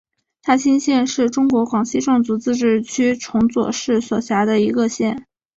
大新县是中国广西壮族自治区崇左市所辖的一个县。